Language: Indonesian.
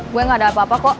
gue gak ada apa apa kok